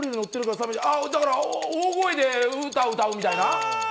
だから大声で歌を歌うみたいな？